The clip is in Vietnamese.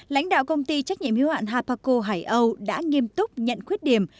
lãnh đạo công ty trách nhiệm hữu hoạn habaco hải âu đã nghiêm túc nhận khuyết điểm